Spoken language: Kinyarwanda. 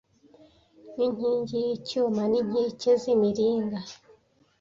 n’inkingi y’icyuma n’inkike z’imiringa